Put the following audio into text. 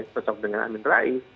tocok dengan amin rais